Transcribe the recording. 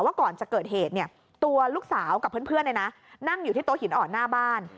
ว่าก่อนจะเกิดเหตุตัวลูกสาวกับเพื่อนนั่งอยู่ที่โต๊ะหินอ่อนหน้าบ้าน